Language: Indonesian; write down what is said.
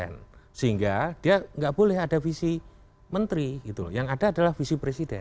nah tidak boleh ada visi menteri gitu loh yang ada adalah visi presiden